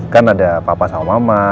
kan ada papa sama mama